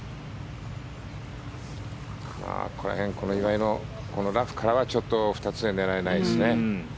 この辺、岩井のラフからがちょっと２つでは狙えないですね。